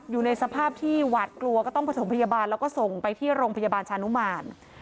อยู่ในสภาพที่หวาดกลัวก็ต้องผสมพยาบาลแล้วก็ส่งไปที่โรงพยาบาลชานุมาน